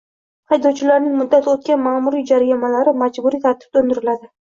Haydovchilarning muddati o‘tgan ma’muriy jarimalari majburiy tartibda undiriladi